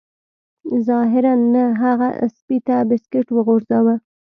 ظاهراً نه هغه سپي ته بسکټ وغورځاوه